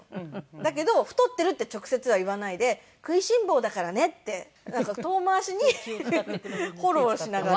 だけど太ってるって直接は言わないで「食いしん坊だからね」ってなんか遠回しにフォローをしながら。